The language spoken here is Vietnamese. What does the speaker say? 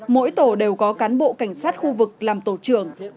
mỗi tổ đều có cán bộ cảnh sát khu vực làm tổ trưởng